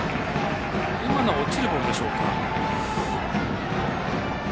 今のは、落ちるボールでしょうか。